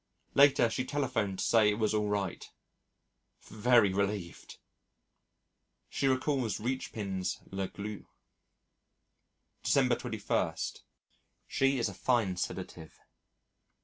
Later she telephoned to say it was all right. Very relieved!... She recalls Richepin's La Glu. December 21. She is a fine sedative.